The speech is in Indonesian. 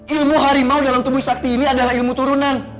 ilmu harimau dalam tubuh sakti ini adalah ilmu turunan